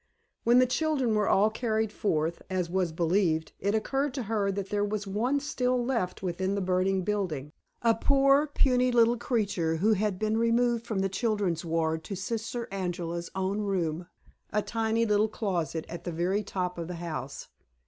When the children were all carried forth, as was believed, it occurred to her that there was one still left within the burning building a poor, puny little creature who had been removed from the children's ward to Sister Angela's own room a tiny little closet at the very top of the house.